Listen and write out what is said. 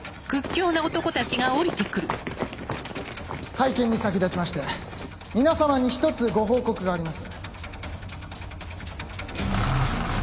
会見に先立ちまして皆様に１つご報告があります。